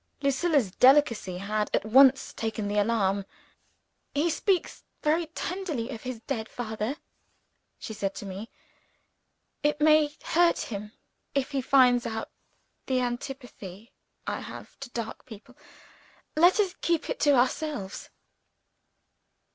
Lucilla's delicacy had at once taken the alarm. "He speaks very tenderly of his dead father," she said to me. "It may hurt him if he finds out the antipathy I have to dark people. Let us keep it to ourselves."